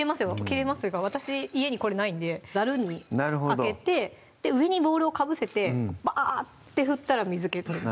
切れますというか私家にこれないんでざるにあけて上にボウルをかぶせてバーッて振ったら水け取れる